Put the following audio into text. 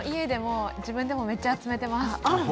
自分でもめっちゃ集めています。